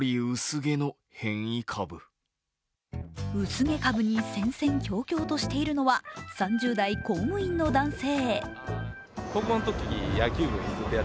薄毛株に戦々恐々としているのは３０代公務員の男性。